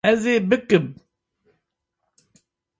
Ez ê bikim